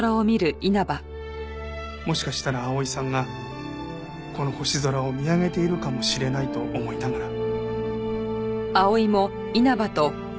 もしかしたら碧さんがこの星空を見上げているかもしれないと思いながら。